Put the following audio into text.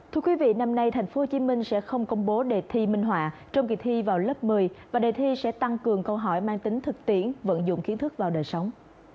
thưa quý vị năm nay tp hcm sẽ không công bố đề thi minh họa trong kỳ thi vào lớp một mươi và đề thi sẽ tăng cường câu hỏi mang tính thực tiễn vận dụng kiến thức vào đời sống